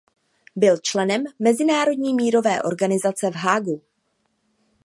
Byl členem mezinárodní mírové organizace v Haagu.